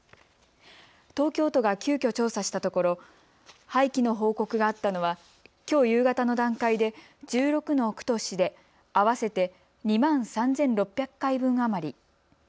東京都が急きょ、調査したところ廃棄の報告があったのはきょう夕方の段階で１６の区と市で合わせて２万３６００回分余り。